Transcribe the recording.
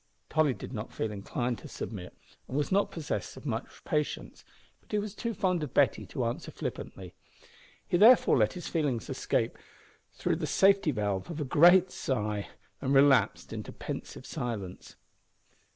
Tolly did not feel inclined to submit, and was not possessed of much patience, but he was too fond of Betty to answer flippantly. He therefore let his feelings escape through the safety valve of a great sigh, and relapsed into pensive silence.